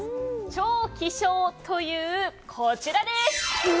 超希少というこちらです。